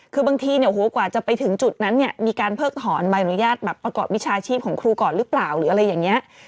คือบางทีเนี่ยโอ้โหกว่าจะไปถึงจุดนั้นเนี่ยมีการเพิกถอนใบอนุญาตแบบประกอบวิชาชีพของครูก่อนหรือเปล่าหรืออะไรอย่างนี้